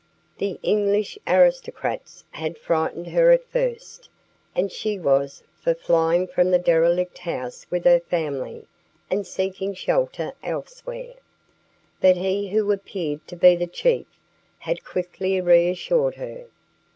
The English aristocrats had frightened her at first, and she was for flying from the derelict house with her family and seeking shelter elsewhere; but he who appeared to be the chief had quickly reassured her.